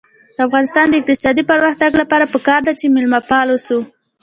د افغانستان د اقتصادي پرمختګ لپاره پکار ده چې مېلمه پال اوسو.